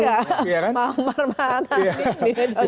pak omar mana ini